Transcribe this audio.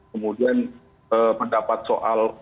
kemudian pendapat soal